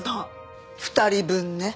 ２人分ね。